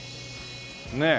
ねえ。